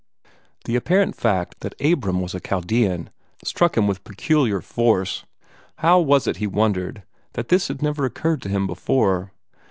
The apparent fact that Abram was a Chaldean struck him with peculiar force. How was it, he wondered, that this had never occurred to him before?